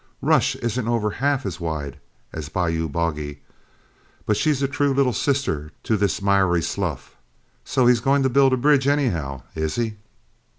Rush isn't over half as wide a bayou as Boggy, but she's a true little sister to this miry slough. So he's going to build a bridge anyhow, is he?"